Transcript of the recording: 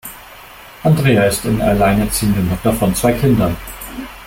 Andrea ist alleinerziehende Mutter von zwei Kindern.